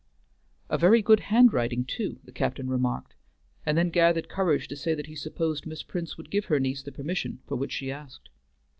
"A very good handwriting, too," the captain remarked, and then gathered courage to say that he supposed Miss Prince would give her niece the permission for which she asked.